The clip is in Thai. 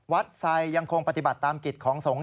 ไซดยังคงปฏิบัติตามกิจของสงฆ์